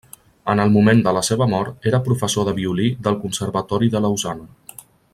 En el moment de la seva mort era professor de violí del Conservatori de Lausana.